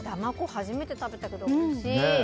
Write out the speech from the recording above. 初めて食べたけどおいしい。